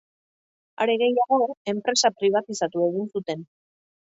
Are gehiago, enpresa pribatizatu egin zuten.